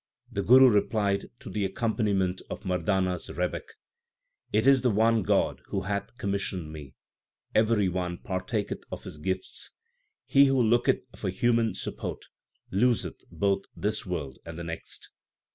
The Guru replied to the accompaniment of Mardana s rebeck : It is the one God Who hath commissioned me. Every one partaketh of His Gifts. (He who looketh for human support Loseth both this world and the next.